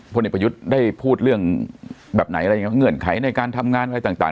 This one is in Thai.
เด็กประยุทธ์ได้พูดเรื่องแบบไหนอะไรยังไงเงื่อนไขในการทำงานอะไรต่าง